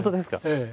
ええ。